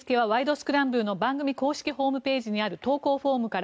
スクランブル」の番組公式ホームページにある投稿フォームから。